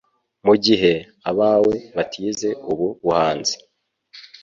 mugihe abawe batize ubu buhanzi